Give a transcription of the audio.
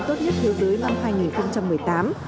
tốt nhất thế giới năm hai nghìn một mươi tám